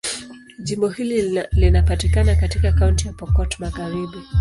Jimbo hili linapatikana katika Kaunti ya Pokot Magharibi.